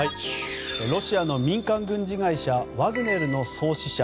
ロシアの民間軍事会社ワグネルの創始者